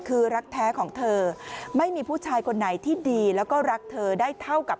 คือรักแท้ของเธอไม่มีผู้ชายคนไหนที่ดีแล้วก็รักเธอได้เท่ากับ